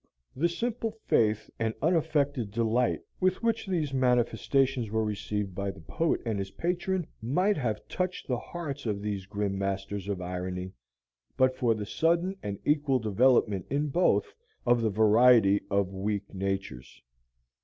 The simple faith and unaffected delight with which these manifestations were received by the poet and his patron might have touched the hearts of these grim masters of irony, but for the sudden and equal development in both of the variety of weak natures.